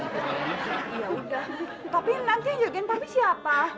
ya udah tapi nanti yang jagain papi siapa